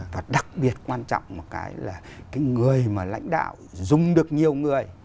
và đặc biệt quan trọng một cái là cái người mà lãnh đạo dùng được nhiều người